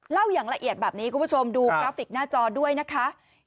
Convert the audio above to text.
อย่างละเอียดแบบนี้คุณผู้ชมดูกราฟิกหน้าจอด้วยนะคะ